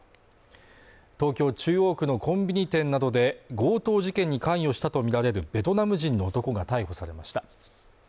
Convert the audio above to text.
東京・中央区のコンビニ店などで強盗事件に関与したとみられるベトナム人の男が逮捕されました